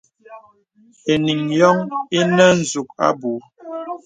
Eniŋ yōŋ inə zūk abū.